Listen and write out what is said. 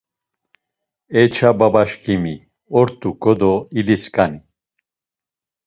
E ça babaşǩimi, ort̆uǩo do ilisǩani.